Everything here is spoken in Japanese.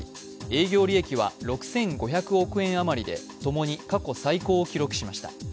営業利益は６５００億円あまりでともに過去最高を記録しました。